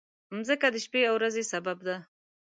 مځکه د شپې او ورځې سبب ده.